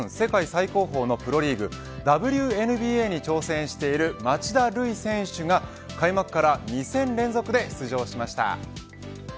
最高峰のプロリーグＷＮＢＡに挑戦している町田瑠唯選手が開幕から２戦連続で出場しました。